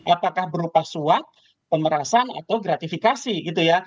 apakah berupa suap pemerasan atau gratifikasi gitu ya